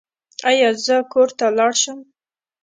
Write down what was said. ایا زه کور ته لاړ شم؟